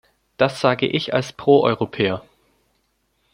Das sage ich als Pro-Europäer.